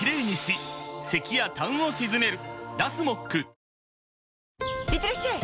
あぁいってらっしゃい！